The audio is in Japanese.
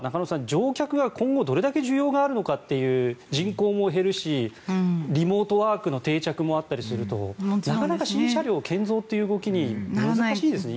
乗客が今後どれだけ需要があるのかという人口も減るしリモートワークの定着もあったりするとなかなか新車両建造という動きは難しいですよね。